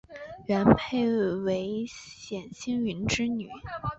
元配为冼兴云之女。